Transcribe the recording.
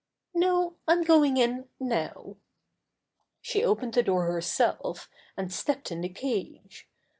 "No, I'm going in now." She opened the door herself and stepped in the cage.